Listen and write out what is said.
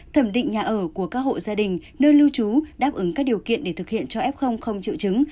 thẩm định nhà ở của các hộ gia đình nơi lưu trú đáp ứng các điều kiện để thực hiện cho f không chịu chứng